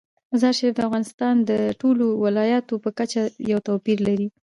مزارشریف د افغانستان د ټولو ولایاتو په کچه یو توپیر لري.